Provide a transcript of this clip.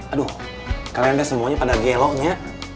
aduh kalian deh semuanya pada geloknya